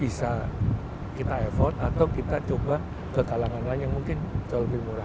bisa kita effort atau kita coba ke kalangan lain yang mungkin jauh lebih murah